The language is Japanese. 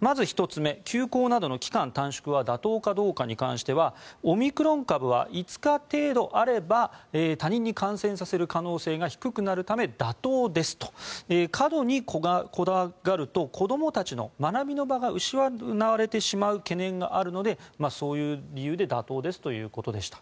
まず１つ目休校などの期間短縮は妥当かどうかに関してはオミクロン株は５日程度あれば他人に感染させる可能性が低くなるため妥当ですと過度に怖がると子どもたちの学びの場が失われてしまう懸念があるのでそういう理由で妥当ですということでした。